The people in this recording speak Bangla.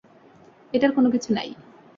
এটার কোনকিছু নাই।